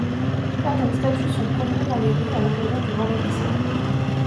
Certaines statues sont promenées dans les rues à l'occasion du Vendredi saint.